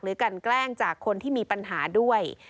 กันแกล้งจากคนที่มีปัญหาด้วย